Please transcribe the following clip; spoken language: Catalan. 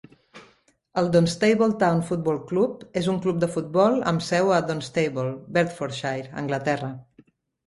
El Dunstable Town Football Club és un club de futbol amb seu a Dunstable, Bedfordshire, Anglaterra.